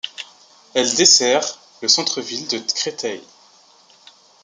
Elle dessert le centre-ville de Créteil.